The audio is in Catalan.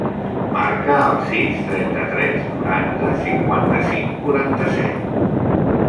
Marca el sis, trenta-tres, noranta, cinquanta-cinc, quaranta-set.